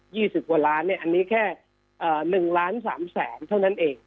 ยี่สิบกว่าล้านเนี่ยอันนี้แค่๑ล้าน๓แสนเท่านั้นเอง